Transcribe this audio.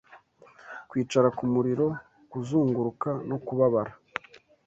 Kwicara kumuriro kuzunguruka no kubabara